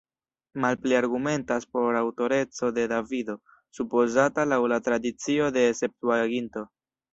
Malpli argumentas por aŭtoreco de Davido, supozata laŭ la tradicio de Septuaginto.